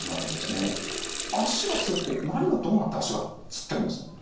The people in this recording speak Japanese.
足がつるって何がどうなって足がつってるんですか？